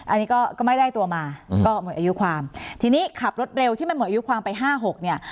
อันนี้ก็ไม่ได้ตัวมาก็หมดอายุความทีนี้ขับรถเร็วที่มันหมดอายุความไปห้าหกเนี่ย